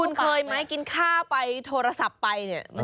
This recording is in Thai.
คุณเคยไหมกินข้าวไปโทรศัพท์ไปเนี่ย